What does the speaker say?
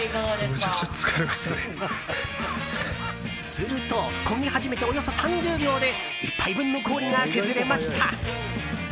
すると、こぎ始めておよそ３０秒で１杯分の氷が削れました。